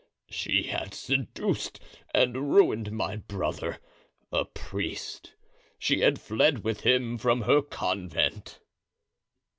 "She had seduced and ruined my brother, a priest. She had fled with him from her convent."